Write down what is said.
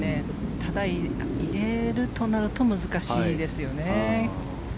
ただ、入れるとなると難しいですよね。